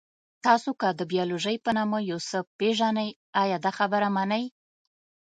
تاسو که د بیولوژي په نامه یو څه پېژنئ، ایا دا خبره منئ؟